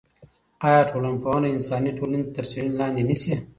آیا ټولنپوهنه انساني ټولنې تر څېړنې لاندې نیسي؟